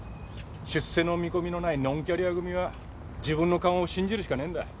出世の見込みのないノンキャリア組は自分の勘を信じるしかねえんだ。